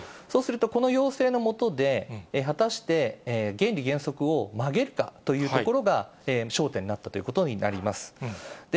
そうすると、この陽性のもとで、果たして原理原則を曲げるかというところが、焦点になってくるということになります。